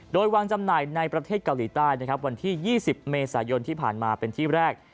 โดยวางจำหน่ายในประเทศเกาหลีใต้นะครับวันที่๒๐เมษายนที่ผ่านมาเป็นที่แรก